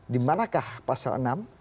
dimanakah pasal enam